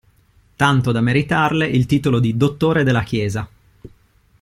Tanto da meritarle il titolo di dottore della Chiesa.